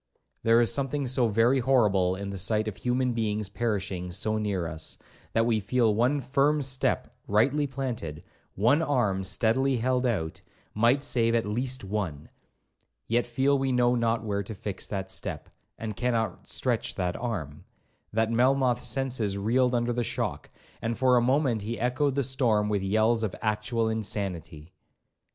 There is something so very horrible in the sight of human beings perishing so near us, that we feel one firm step rightly planted, one arm steadily held out, might save at least one,—yet feel we know not where to fix that step, and cannot stretch that arm, that Melmoth's senses reeled under the shock, and for a moment he echoed the storm with yells of actual insanity.